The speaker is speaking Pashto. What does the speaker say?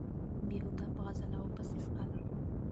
بېهوده په غزاله وو پسې ځغلم